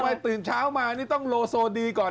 ตื่นเช้ามานี่ต้องโลโซดีก่อน